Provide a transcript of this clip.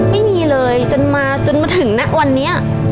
ไม่มีเลยจนมาจนมาถึงณวันนี้